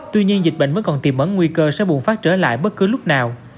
tuy nhiên dịch bệnh vẫn còn tìm ấn nguy cơ sẽ bùng phát trở lại bất cứ lúc nào